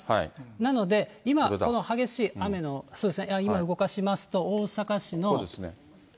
なので、今、この激しい雨の、今、動かしますと、大阪市の。